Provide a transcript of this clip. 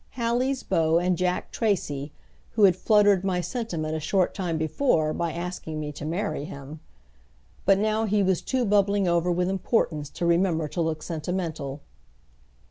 Hallie's beau and Jack Tracy, who had fluttered my sentiment a short time before by asking me to marry him. But now he was too bubbling over with importance to remember to look sentimental.